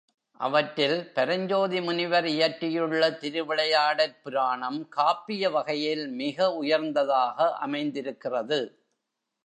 அவற்றில் பரஞ்சோதி முனிவர் இயற்றியுள்ள திருவிளையாடற் புராணம் காப்பிய வகையில் மிக உயர்ந்ததாக அமைந்திருக்கிறது.